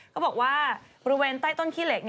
เขาบอกว่าบริเวณใต้ต้นขี้เหล็ก